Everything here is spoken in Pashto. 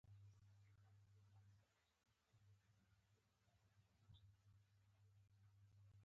مهارت زده کړئ